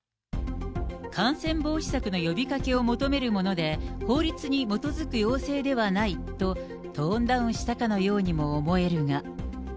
感染防止策の呼びかけを求めるもので、法律に基づく要請ではないと、トーンダウンしたかのようにも思えるが。